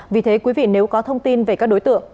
vì thế quý vị nếu có thông tin về các đối tượng